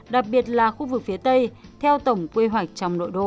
đặc biệt là khu vực phía tây theo tổng quy hoạch trong nội đô